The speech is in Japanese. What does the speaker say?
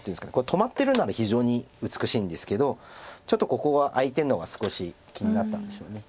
止まってるなら非常に美しいんですけどちょっとここが空いてるのが少し気になったんでしょう。